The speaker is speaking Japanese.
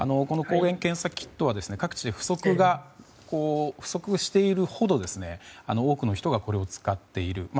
抗原検査キットは各地で不足しているほど多くの人がこれを使っている。